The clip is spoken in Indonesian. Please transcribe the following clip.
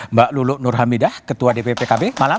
mbak luluk nurhamidah ketua dp pkb malam